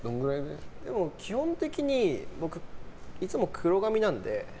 でも基本的に僕いつも黒髪なので。